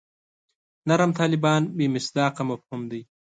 نرم طالبان بې مصداقه مفهوم دی.